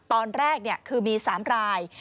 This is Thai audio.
ตอนแรกเนี่ยคือมี๓ราย